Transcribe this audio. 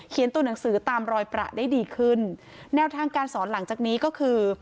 ตัวหนังสือตามรอยประได้ดีขึ้นแนวทางการสอนหลังจากนี้ก็คือ